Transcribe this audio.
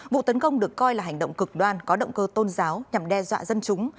vụ tấn công được coi là hành động cực đoan có động cơ tôn giáo nhằm đe dọa dân chúng